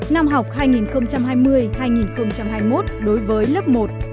năm học hai nghìn hai mươi hai nghìn hai mươi một đối với lớp một